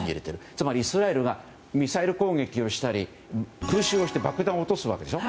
つまり、イスラエルがミサイル攻撃をしたり空襲をして爆弾を落とすわけでしょ。